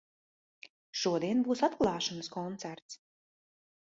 Šodien būs atklāšanas koncerts.